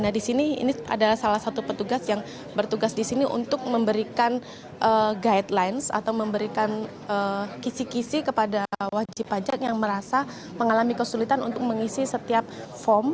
nah di sini ini adalah salah satu petugas yang bertugas di sini untuk memberikan guidelines atau memberikan kisi kisi kepada wajib pajak yang merasa mengalami kesulitan untuk mengisi setiap form